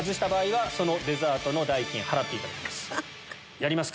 やりますか？